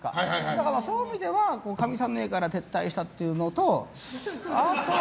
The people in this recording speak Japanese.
だからそういう意味ではかみさんの家から撤退したっていうのと。